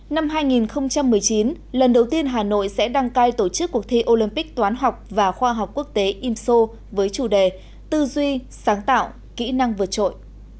năm hai nghìn một mươi chín lần đầu tiên hà nội sẽ đăng cai tổ chức cuộc thi olympic toán học và khoa học quốc tế imso với chủ đề tư duy sáng tạo kỹ năng vượt trội